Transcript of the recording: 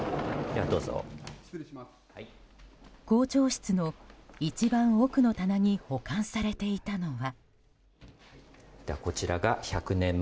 校長室の一番奥の棚に保管されていたのは。